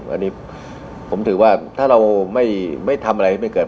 อันนี้ผมถือว่าถ้าเราไม่ทำอะไรไม่เกิด